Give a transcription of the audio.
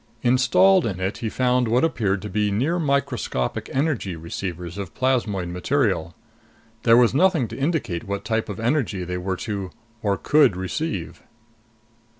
Installed in it he found what appeared to be near microscopic energy receivers of plasmoid material. There was nothing to indicate what type of energy they were to or could receive.